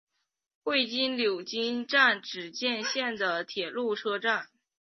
会津柳津站只见线的铁路车站。